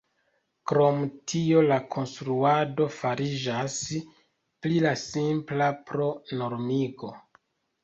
Krom tio la konstruado fariĝas pli simpla pro normigo.